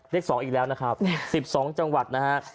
เลข๒อีกแล้วนะครับ๑๒จังหวัดนะฮะ